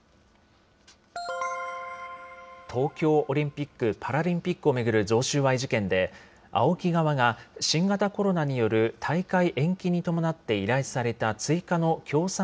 東京オリンピック・パラリンピックを巡る贈収賄事件で、ＡＯＫＩ側が新型コロナによる大会延期に伴って依頼された追加の協賛